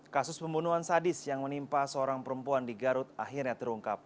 kasus pembunuhan sadis yang menimpa seorang perempuan di garut akhirnya terungkap